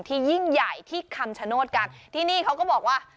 ยิ่งใหญ่ที่คำชโนธกันที่นี่เขาก็บอกว่า